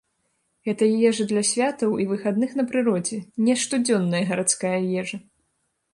Гэта ежа для святаў і выхадных на прыродзе, не штодзённая гарадская ежа.